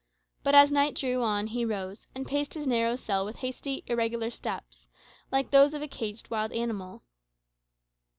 But as night drew on he rose, and paced his narrow cell with hasty, irregular steps, like those of a caged wild animal.